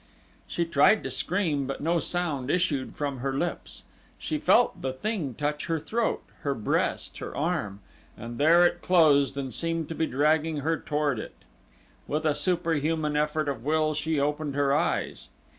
She tried to scream but no sound issued from her lips. She felt the thing touch her throat, her breast, her arm, and there it closed and seemed to be dragging her toward it. With a super human effort of will she opened her eyes.